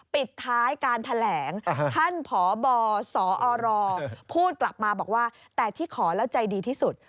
ปิดท้ายการแถลงท่านพบสอรพูดกลับมาบอกว่าแต่ที่ขอแล้วใจดีที่สุด